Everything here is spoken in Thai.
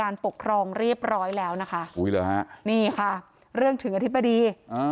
ปกครองเรียบร้อยแล้วนะคะอุ้ยเหรอฮะนี่ค่ะเรื่องถึงอธิบดีอ่า